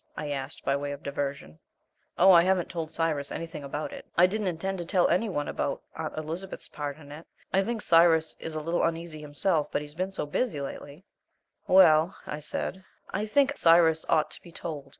I asked, by way of diversion. "Oh, I haven't told Cyrus anything about it. I didn't intend to tell any one about Aunt Elizabeth's part in it. I think Cyrus is a little uneasy himself, but he's been so busy lately " "Well," I said, "I think Cyrus ought to be told!